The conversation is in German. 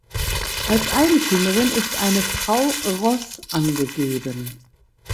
Als Eigentümerin ist eine Frau "Ross" angegeben.